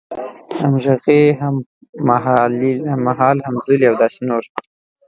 همغږی، هممهال، همزولی او داسې نور